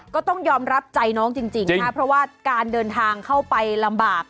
ก็ต้องยอมรับใจน้องจริงนะครับเพราะว่าการเดินทางเข้าไปลำบาก